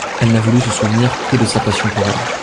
Elle n'a voulu se souvenir que de sa passion pour elle.